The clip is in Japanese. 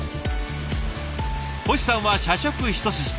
星さんは社食一筋。